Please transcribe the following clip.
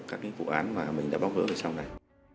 các vụ án mà mình đã bóc vỡ ở sau này